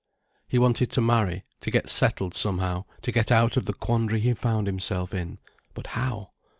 He wanted to marry, to get settled somehow, to get out of the quandary he found himself in. But how?